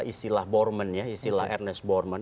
istilah borman ya istilah ernest borman